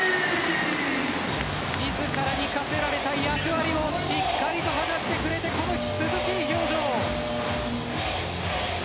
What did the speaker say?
自らに課せられた役割をしっかりと果たしてくれてこの涼しい表情